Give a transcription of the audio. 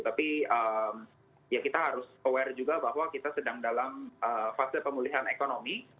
tapi ya kita harus aware juga bahwa kita sedang dalam fase pemulihan ekonomi